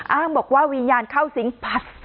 อ้างบอกว่าวิญญาณเข้าสิงปัด